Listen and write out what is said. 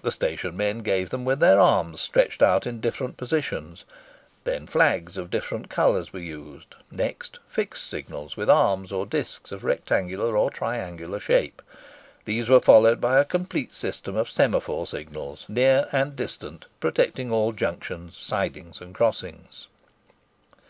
The station men gave them with their arms stretched out in different positions; then flags of different colours were used; next fixed signals, with arms or discs of rectangular or triangular shape. These were followed by a complete system of semaphore signals, near and distant, protecting all junctions, sidings, and crossings.